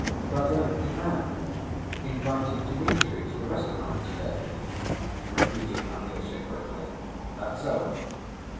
"Brother Ivan invited Dmitri to the restaurant to‐day?" repeated Alyosha quickly. "That's so."